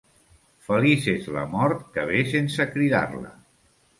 Feliç és la mort que ve sense cridar-la.